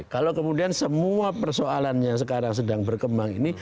kalau kemudian semua persoalan yang sekarang sedang berkembang ini